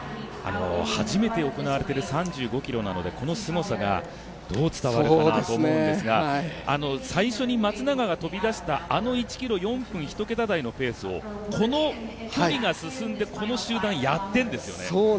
初めて行われている３５ｋｍなのでこのすごさがどう伝わるかなと思うんですが最初に松永が飛び出したあの１ｋｍ、４分一桁台のペースをこの距離が進んで、この集団やっているんですよね。